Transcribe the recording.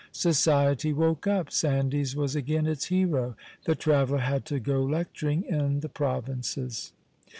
Society woke up, Sandys was again its hero; the traveller had to go lecturing in the provinces.